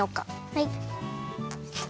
はい。